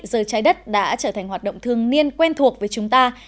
giờ trái đất đã trở thành hoạt động thường niên quen thuộc với chúng ta